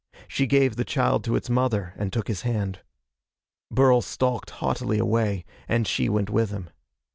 She gave the child to its mother and look his hand. Burl stalked haughtily away, and she went with him.